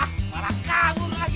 ah parah kamu lagi